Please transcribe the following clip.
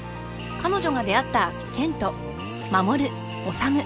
［彼女が出会った健人守修］